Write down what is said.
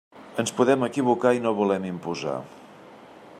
Ens podem equivocar i no volem imposar.